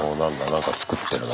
なんか作ってるな。